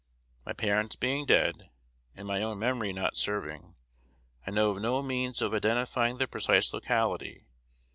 My parents being dead, and my own memory not serving, I know of no means of identifying the precise locality.